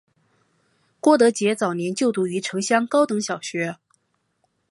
郭德洁早年就读于城厢高等小学。